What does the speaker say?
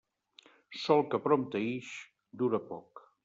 Sol que prompte ix, dura poc.